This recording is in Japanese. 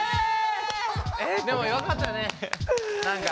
でもよかったね何か。